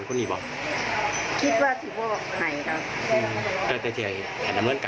พวกไปเยี่ยมพร้อมหรือ